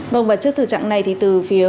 vâng và trước từ trạng này thì từ phía